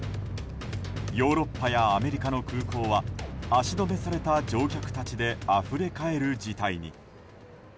ヨーロッパやアメリカの空港は足止めされた乗客たちであふれかえる事態に。